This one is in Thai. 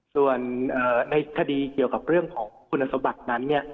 ส่วนในคดีเกี่ยวกับเรื่องของคุณสมบัตินั้น